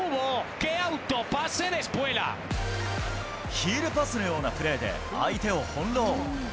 ヒールパスのようなプレーで、相手をほんろう。